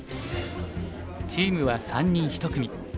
チームは３人１組。